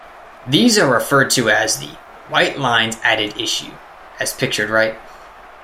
These are referred to as the "white lines added issue", as pictured right.